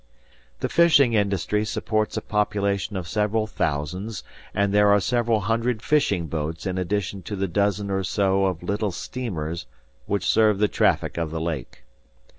"The fishing industry supports a population of several thousands, and there are several hundred fishing boats in addition to the dozen or so of little steamers which serve the traffic of the lake.